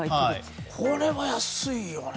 これは安いよね。